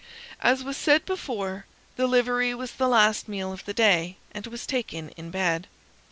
As was said before, the livery was the last meal of the day, and was taken in bed.